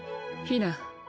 ひな